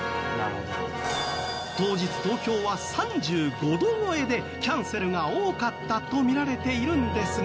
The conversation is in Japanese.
当日東京は３５度超えでキャンセルが多かったと見られているんですが。